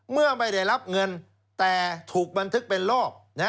ไม่ได้รับเงินแต่ถูกบันทึกเป็นรอบ